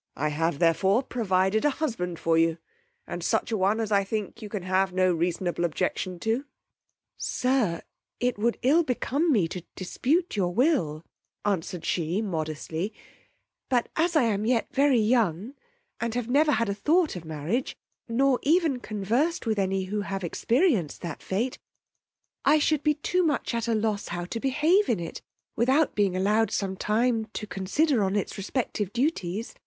I have therefore provided a husband for you, and such a one as I think you can have no reasonable objection to. Sir, it would ill become me to dispute your will, answered she, modestly, but as I yet am very young, and have never had a thought of marriage, nor even conversed with any who have experienced that fate, I should be too much at a loss how to behave in it, without being allowed some time to consider on its respective duties.